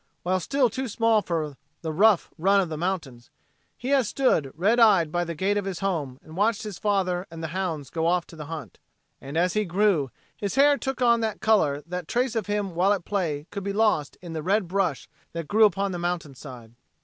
While still too small for the rough run of the mountains, he has stood, red eyed, by the gate of his home and watched his father and the hounds go off to the hunt. And as he grew, his hair took on that color that trace of him while at play could be lost in the red brush that grew upon the mountainside.